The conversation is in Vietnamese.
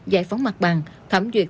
giải phóng mặt bằng thẩm duyệt